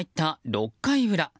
６回裏。